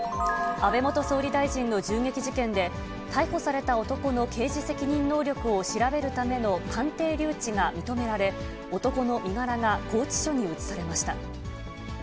安倍元総理大臣の銃撃事件で、逮捕された男の刑事責任能力を調べるための鑑定留置が認められ、男の身柄が拘置所に移されました。